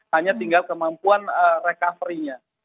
hanya tinggal kemampuan recovery nya